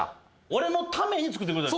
俺のために作ってくれた？